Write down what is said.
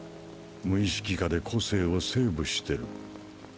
無意識下で個性をセーブしてる。